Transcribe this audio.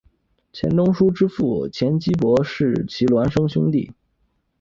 钱钟书之父钱基博是其孪生兄弟。